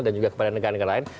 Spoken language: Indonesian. dan juga kepada negara negara lain